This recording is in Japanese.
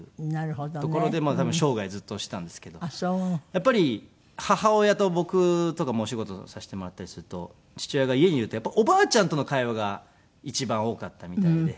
やっぱり母親と僕とかもお仕事させてもらったりすると父親が家にいるとやっぱりおばあちゃんとの会話が一番多かったみたいで。